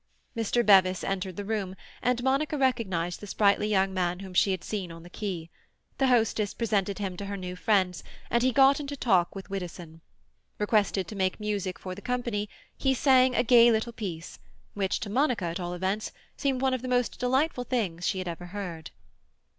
Mr. Bevis entered the room, and Monica recognized the sprightly young man whom she had seen on the quay. The hostess presented him to her new friends, and he got into talk with Widdowson. Requested to make music for the company, he sang a gay little piece, which, to Monica at all events, seemed one of the most delightful things she had ever heard.